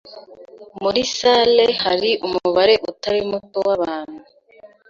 Muri salle hari umubare utari muto wabantu